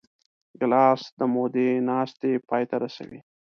ګیلاس د مودې ناستې پای ته رسوي.